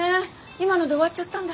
今ので終わっちゃったんだ。